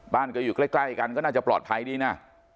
บ้านก็อยู่ใกล้กันก็น่าจะปลอดภัยดีนะ